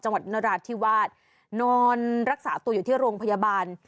จังหวัดนราชที่วาดนอนรักษาตัวอยู่ที่โรงพยาบาล